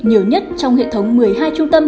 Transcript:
nhiều nhất trong hệ thống một mươi hai trung tâm